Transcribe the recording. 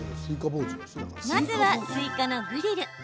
まずは、スイカのグリル。